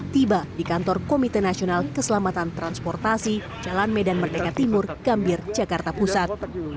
tiba di kantor komite nasional keselamatan transportasi jalan medan merdeka timur gambir jakarta pusat